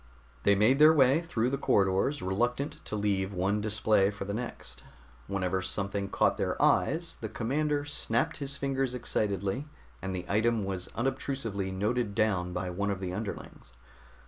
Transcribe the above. They made their way through the corridors, reluctant to leave one display for the next. Whenever something caught their eyes, the commander snapped his fingers excitedly, and the item was unobtrusively noted down by one of the underlings.